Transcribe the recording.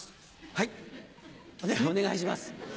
はいお願いします。